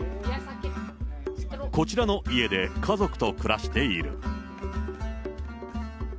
こちらの家で、家族と暮らしている。